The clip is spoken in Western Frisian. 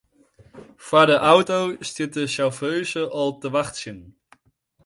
Foar de auto stie de sjauffeuze al te wachtsjen.